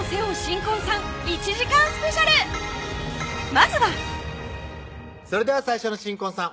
まずはそれでは最初の新婚さん